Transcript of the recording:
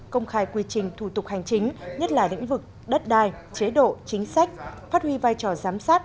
công khai quy trình thủ tục hành chính nhất là lĩnh vực đất đai chế độ chính sách phát huy vai trò giám sát